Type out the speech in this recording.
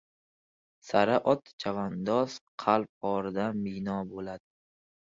Sara ot, chavandoz qalb qo‘ridan bino bo‘ladi!